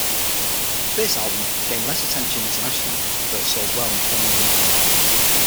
This album gained less attention internationally, though it sold well in Finland.